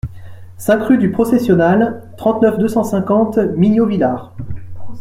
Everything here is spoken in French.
cinq rue du Processionnal, trente-neuf, deux cent cinquante, Mignovillard